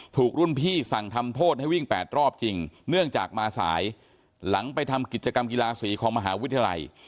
ถูกรุ่นพี่สั่งทำโทษให้วิ่ง๘รอบจริงเนื่องจากมาสายหลังไปทำกิจกรรมกีฬาสีของมหาวิทยาลัย